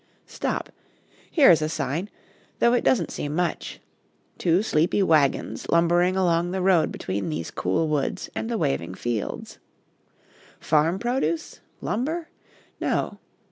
Stop; here is a sign, though it doesn't seem much: two sleepy wagons lumbering along the road between these cool woods and the waving fields. Farm produce? Lumber? No.